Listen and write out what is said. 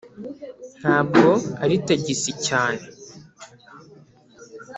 'ntabwo ari tagisi cyane